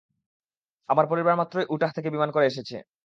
আমার পরিবার মাত্রই উটাহ থেকে বিমানে করে এসেছে।